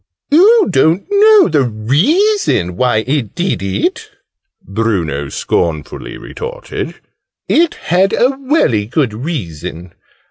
"Oo don't know the reason why it did it!" Bruno scornfully retorted. "It had a welly good reason.